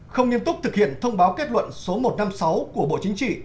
không nghiêm túc thực hiện thông báo kết luận số một trăm năm mươi sáu của bộ chính trị